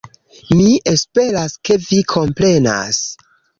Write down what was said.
Mi esperas ke vi komprenas